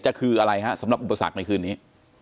คืออะไรฮะสำหรับอุปสรรคในคืนนี้